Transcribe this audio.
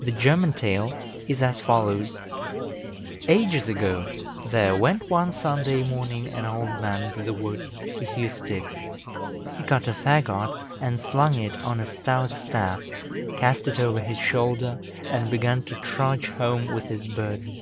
The German tale is as follows: Ages ago there went one Sunday morning an old man into the wood to hew sticks. He cut a fagot and slung it on a stout staff, cast it over his shoulder, and began to trudge home with his burden.